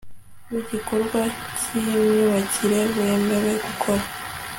w igikorwa cy imyubakire wemewe gukora